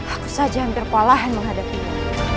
aku saja hampir kewalahan menghadapinya